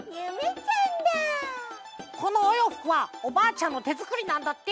このおようふくはおばあちゃんのてづくりなんだって！